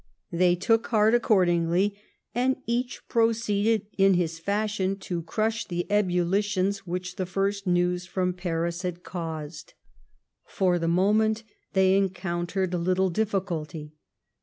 They took heart accordingly, and each proceeded, in his fashion, to crush the ebullitions which the first news from Paris had caused. For the moment they encountered little difficulty.